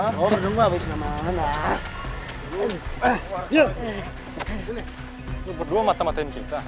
lo berdua mata matain kita hah